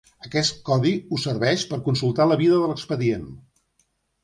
Aquest codi us serveix per consultar la vida de l'expedient.